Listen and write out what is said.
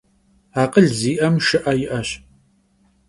Akhıl zi'em şşı'e yi'eş.